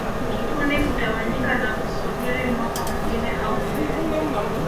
Kikundi hutawanyika na kusubiri mwaka mwingine au miwili